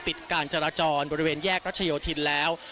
ปิดการจราจรบริเวณแยกรัชโยธินแล้ว